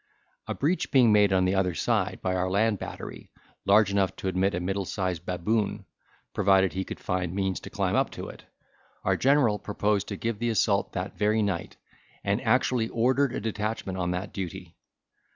A breach being made on the other side, by our land battery, large enough to admit a middle sized baboon, provided he could find means to climb up to it, our general proposed to give the assault that very night, and actually ordered a detachment on that duty.